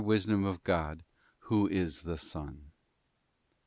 Wisdom of God who is the Son.